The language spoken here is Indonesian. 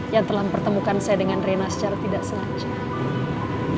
yang telah pertemukan saya dengan reina secara tidak sengaja